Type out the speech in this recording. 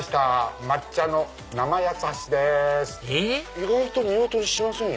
意外と見劣りしませんよ。